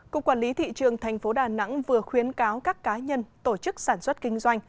cục quản lý thị trường tp đà nẵng vừa khuyến cáo các cá nhân tổ chức sản xuất kinh doanh